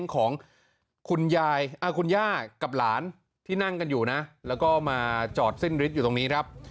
คุณยายคุณย่ากับหลานที่นั่งกันอยู่นะแล้วก็มาจอดสิ้นฤทธิ์อยู่ตรงนี้ครับ